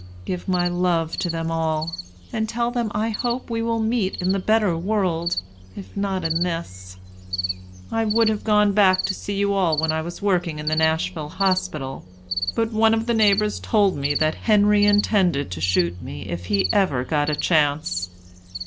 Give my love to them all, and tell them I hope we will meet in the better world, if not in this. I would have gone back to see you all when I was working in the Nashville Hospital, but one of the neighbors told me that Henry intended to shoot me if he ever got a chance.